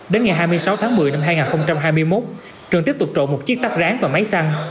đến ngày hai mươi sáu tháng một mươi năm hai nghìn hai mươi một trường tiếp tục trộm một chiếc tắc rán và máy xăng